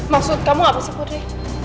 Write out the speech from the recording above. maksud kamu apa sih putri